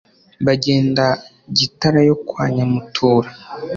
Bagenda Gitara yo kwa Nyamutura